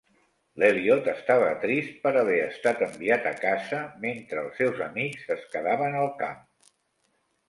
L'Elliott estava trist per haver estat enviat a casa mentre els seus amics es quedaven al camp.